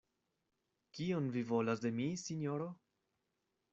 Kion vi volas de mi, sinjoro?